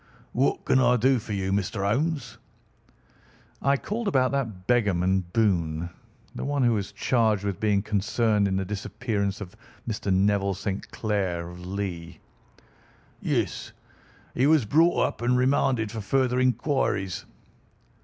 "What can I do for you, Mr. Holmes?" "I called about that beggarman, Boone—the one who was charged with being concerned in the disappearance of Mr. Neville St. Clair, of Lee." "Yes. He was brought up and remanded for further inquiries."